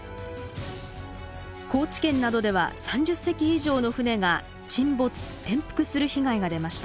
高知県などでは３０隻以上の船が沈没転覆する被害が出ました。